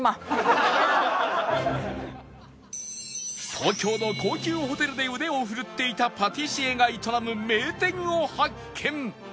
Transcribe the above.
東京の高級ホテルで腕を振るっていたパティシエが営む名店を発見